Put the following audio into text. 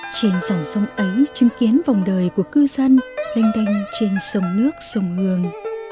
trên dòng sông ấy chứng kiến vòng đời của cư dân lênh đanh trên sông nước sông hương